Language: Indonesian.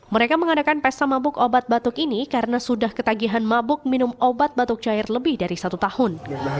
mereka mengadakan pesta mabuk obat batuk ini karena sudah ketagihan mabuk minum obat batuk cair lebih dari satu tahun